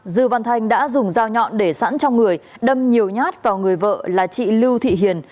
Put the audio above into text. dư văn thanh đã dùng dao nhọn để sẵn trong người đâm nhiều nhát vào người vợ là chị lưu thị hiền